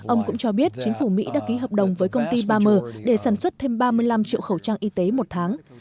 ông cũng cho biết chính phủ mỹ đã ký hợp đồng với công ty bamer để sản xuất thêm ba mươi năm triệu khẩu trang y tế một tháng